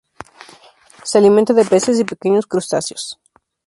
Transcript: Se alimenta de peces y pequeños crustáceos.